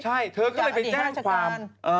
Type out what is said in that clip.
ใช่เธอก็เลยไปแจ้งความ